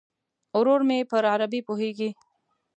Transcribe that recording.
ورور مې پر عربي پوهیږي.